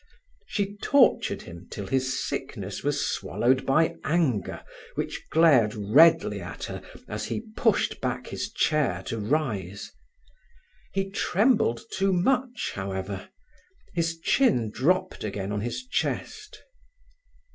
She tortured him till his sickness was swallowed by anger, which glared redly at her as he pushed back his chair to rise. He trembled too much, however. His chin dropped again on his chest.